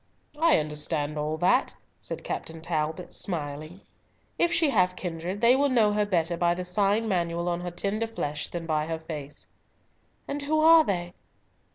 "I understand all that," said Captain Talbot, smiling. "If she have kindred, they will know her better by the sign manual on her tender flesh than by her face." "And who are they?"